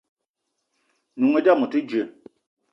N'noung i dame o te dji.